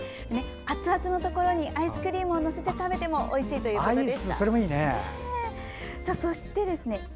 熱々のところにアイスクリームを載せてもおいしいということです。